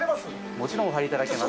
もちろんお入りいただけます。